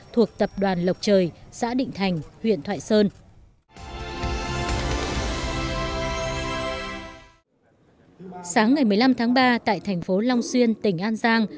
thuộc tập đoàn lộc trời xã định thành huyện thoại sơn